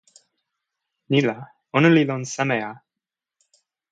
ni la ona li lon seme a?